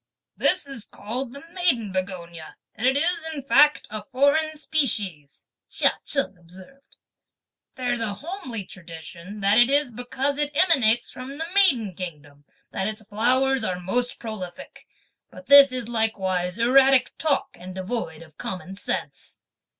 "This is called the maiden begonia and is, in fact, a foreign species," Chia Cheng observed. "There's a homely tradition that it is because it emanates from the maiden kingdom that its flowers are most prolific; but this is likewise erratic talk and devoid of common sense."